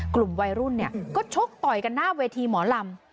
กลุ่มวัยรุ่นก็ชกต่อยกันหน้าเวทีหมอลำ